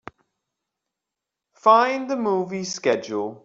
Fine the movie schedule.